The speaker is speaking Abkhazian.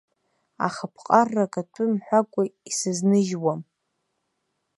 Аха ԥҟаррак атәы мҳәакәа исызныжьуам.